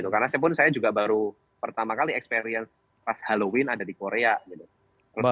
karena saya pun saya juga baru pertama kali experience pas halloween ada di korea gitu